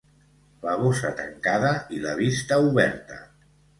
La bossa tancada i la vista oberta.